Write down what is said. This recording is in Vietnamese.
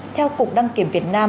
theo cục đăng kiểm việt nam